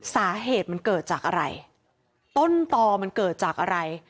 สาเหตุมันเกิดจากอะไรต้นต่อมันเกิดจากอะไร